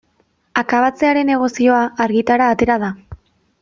Akabatzearen negozioa argitara atera da.